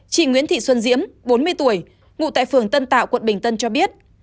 chị nguyễn thị xuân diễm bốn mươi tuổi ngụ tại phường tân tạo quận bình tân cho biết